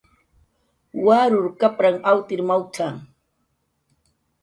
"Waruw kapranh awtir mawt""a"